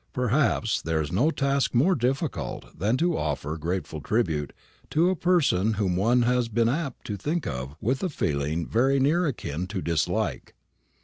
Perhaps there is no task more difficult than to offer grateful tribute to a person whom one has been apt to think of with a feeling very near akin to dislike.